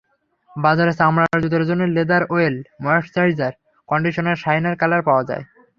বাজারে চামড়ার জুতার জন্য leather oil, moisturiser, conditioner, shiner colour পাওয়া যায়।